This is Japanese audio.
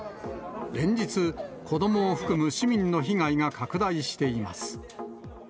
連日、子どもを含む市民の被害が拡大しています。